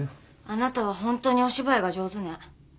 あなたはホントにお芝居が上手ね。